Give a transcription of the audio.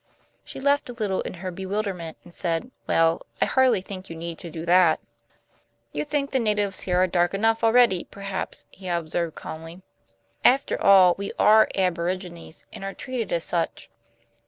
She laughed a little in her bewilderment, and said: "Well, I hardly think you need do that." "You think the natives here are dark enough already, perhaps," he observed calmly. "After all, we are aborigines, and are treated as such."